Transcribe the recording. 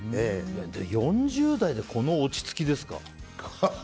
４０代でこの落ち着きですか。